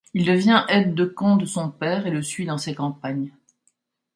Il devient aide-de-camp de son père et le suit dans ses campagnes.